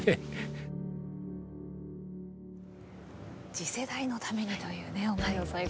次世代のためにというね思いを最後語ってましたけど。